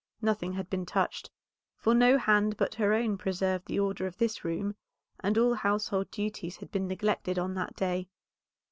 Nothing had been touched, for no hand but her own preserved the order of this room, and all household duties had been neglected on that day.